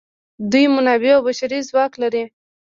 دوی منابع او بشري ځواک لري.